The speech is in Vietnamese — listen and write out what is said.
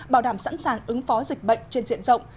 bảo đảm sẵn sàng ứng phó dịch bệnh trên diện rộng